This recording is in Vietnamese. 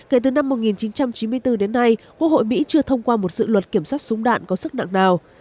kể từ năm một nghìn chín trăm chín mươi bốn đến nay quốc hội mỹ chưa thông qua một dự luật kiểm soát súng đạn có sức nặng nào